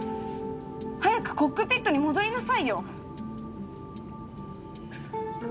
早くコックピットに戻りなさいよ！